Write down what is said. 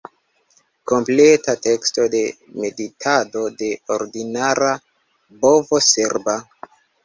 Kompleta teksto de "Meditado de ordinara bovo serba"